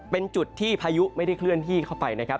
เป็นจุดที่พายุไม่ได้เคลื่อนที่เข้าไปนะครับ